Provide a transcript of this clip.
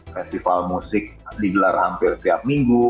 festival musik digelar hampir tiap minggu